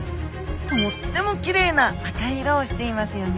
とってもきれいな赤い色をしていますよね。